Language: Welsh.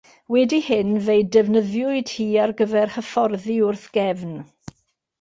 Wedi hyn fe'i defnyddiwyd hi ar gyfer hyfforddi wrth gefn.